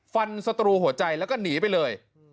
สตรูหัวใจแล้วก็หนีไปเลย